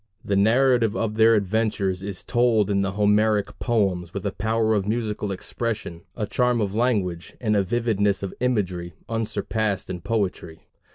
The narrative of their adventures is told in the Homeric poems with a power of musical expression, a charm of language, and a vividness of imagery unsurpassed in poetry.